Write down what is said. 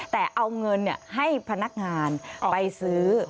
แต่เอาเงินให้พนักงานไปซื้อ